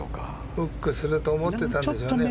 フックすると思ってたんでしょうね。